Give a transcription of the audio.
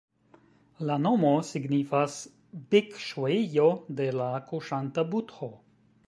La nomo signifas "Bikŝuejo de la kuŝanta budho".